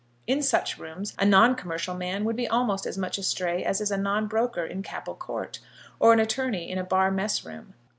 In such rooms a non commercial man would be almost as much astray as is a non broker in Capel Court, or an attorney in a bar mess room.